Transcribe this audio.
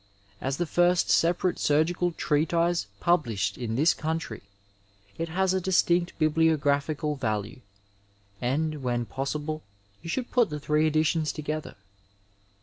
As the first separate surgical treatise published in this country it has a distinct biblio graphical value, and, when, possible, you should put tiie three editions together.